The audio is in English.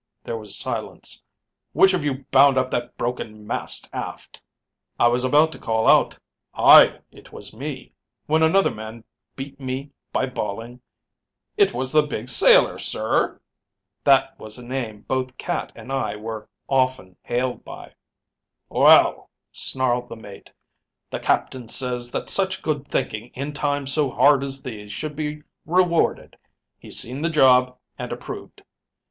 There was silence. 'Which of you bound up that broken mast aft?' "I was about to call out, 'Aye, it was me,' when another man beat me by bawling, 'It was the Big Sailor, sir!' That was a name both Cat and I were often hailed by. "'Well,' snarled the mate, 'the captain says that such good thinking in times so hard as these should be rewarded. He's seen the job and approved.'